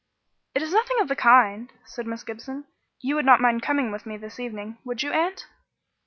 "It is nothing of the kind," said Miss Gibson. "You would not mind coming with me this evening, would you, aunt?"